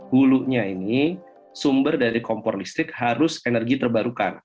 hulunya ini sumber dari kompor listrik harus energi terbarukan